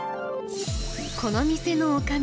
この店のおかみ